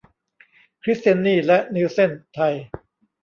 คริสเตียนีและนีลเส็น ไทย